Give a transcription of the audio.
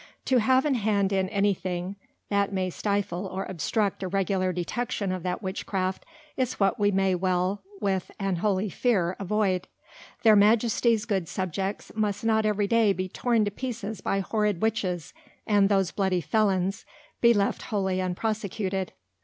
To have an hand in any thing, that may stifle or obstruct a Regular Detection of that Witchcraft, is what we may well with an holy fear avoid. Their Majesties good Subjects must not every day be torn to pieces by horrid Witches, and those bloody Felons, be left wholly unprosecuted.